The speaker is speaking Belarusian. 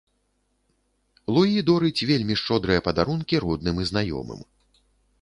Луі дорыць вельмі шчодрыя падарункі родным і знаёмым.